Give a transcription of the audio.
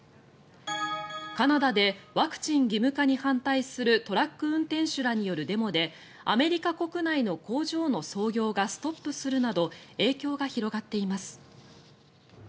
カナダでワクチン義務化に反対するトラック運転手らによるデモでアメリカ国内の工場の操業がストップするなど影響が広がっています。